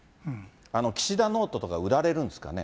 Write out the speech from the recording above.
岸田ノートとか、売られるんですかね？